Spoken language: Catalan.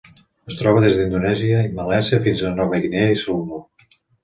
Es troba des d'Indonèsia i Malàisia fins a Nova Guinea i Salomó.